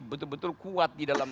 betul betul kuat di dalam